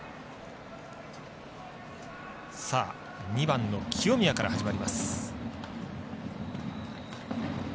２番の清宮から始まります。